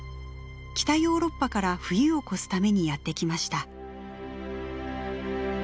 北ヨーロッパから冬を越すためにやって来ました。